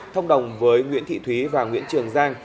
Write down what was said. thông đồng với nguyễn thị thúy và nguyễn trường giang